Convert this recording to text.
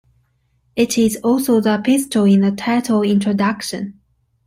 It is also the pistol in the title introduction.